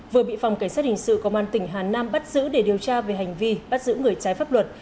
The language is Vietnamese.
vừa bị phòng cảnh sát hình sự công an tỉnh hà nam bắt giữ để điều tra về hành vi bắt giữ người trái pháp luật